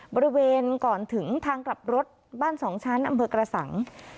บริเวณก่อนถึงทางกลับรถบ้านสองชั้นอำเภอกระสัง